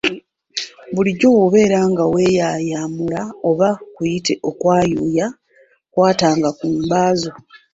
Bulijjo bw’obeera nga weeyayamula oba kuyite okwayuuya, kwatanga ku mba zo.